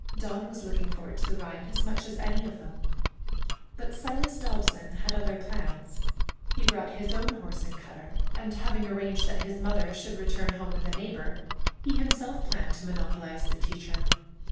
Dawn was looking forward to the ride as much as any of them. But Silas Dobson had other plans. He brought his own horse and cutter, and, having arranged that his mother should return home with a neighbor, he himself planned to monopolize the teacher.